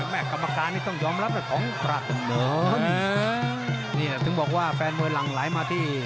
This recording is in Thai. แม่กรรมการนี่ต้องยอมรับแต่สองกราศน์เหนิ่มนี่แหละถึงบอกว่าแฟนมือหลังไหลมาที่